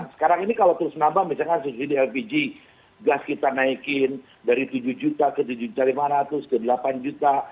sekarang ini kalau terus nambah misalkan subsidi lpg gas kita naikin dari tujuh juta ke tujuh lima ratus ke delapan juta